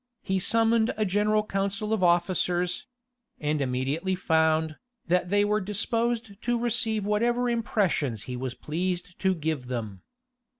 He summoned a general council of officers; and immediately found, that they were disposed to receive whatever impressions he was pleased to give them.